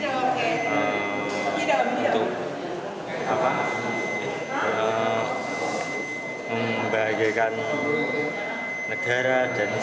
ya harus kita fokus untuk latihan untuk mendapatkan juara di asian games